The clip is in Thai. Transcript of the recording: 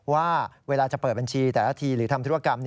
ว่าเวลาจะเปิดบัญชีแต่ละทีหรือทำธุรกรรม